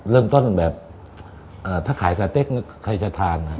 เริ่มต้นแบบถ้าขายสเต็กใครจะทาน